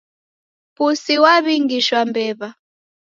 Pusi waw'ingisha mbew'a.